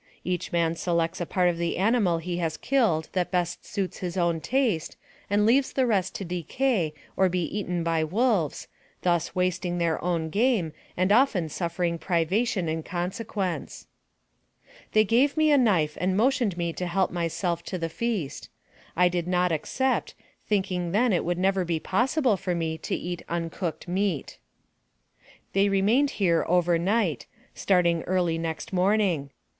Each man selects the part of the animal he has killed that best suits his own taste, and leaves the rest to decay or be eaten by wolves, thus wasting their own game, and often suffering pri vation in consequence. They gave me a knife and motioned me to help my self to the feast. I did not accept, thinking then it would never be possible for me to eat uncooked meat. They remained here over night, starting early next morning.